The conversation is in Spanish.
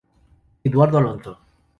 Eduardo Alonso.